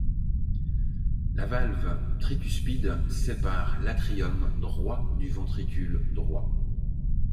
La valve tricuspide sépare l'atrium droit du ventricule droit.